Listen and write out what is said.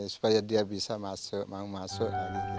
supaya dia bisa masuk